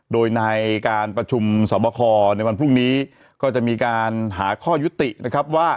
โดยในการประชุมสอบคอในวันพรุ่งนี้ก็จะมีการหาข้อยุตินะครับว่า